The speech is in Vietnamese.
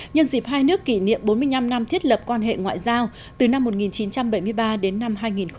nhân dịp hai nước kỷ niệm bốn mươi năm năm thiết lập quan hệ ngoại giao từ năm một nghìn chín trăm bảy mươi ba đến năm hai nghìn hai mươi